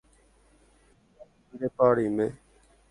mba'e yvýrepa reime